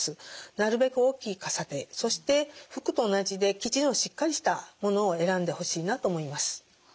なるべく大きい傘でそして服と同じで生地のしっかりしたものを選んでほしいなと思います。